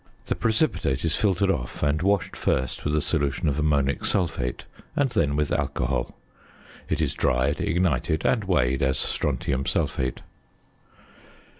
The precipitate is filtered off, and washed first with a solution of ammonic sulphate, and then with alcohol. It is dried, ignited and weighed as strontium sulphate.